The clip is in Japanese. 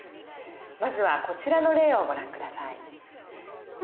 まずはこちらの例をご覧下さい。